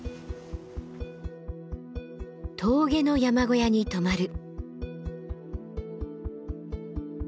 峠の山小屋に泊まる。